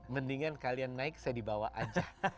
mendingan kalian naik saya di bawah aja